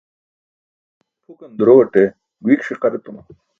Pʰukan durowaṭe guik ṣiqar etuma.